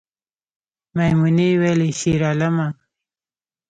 میمونۍ ویلې شیرعالمه